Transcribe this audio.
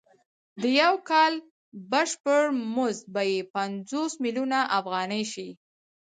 د یو کال بشپړ مزد به یې پنځوس میلیونه افغانۍ شي